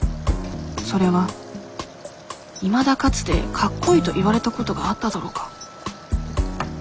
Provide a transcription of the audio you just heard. それは「いまだかつてかっこいいと言われたことがあっただろうか？」